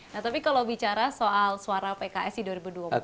nah tapi kalau bicara soal suara pks di dua ribu dua puluh empat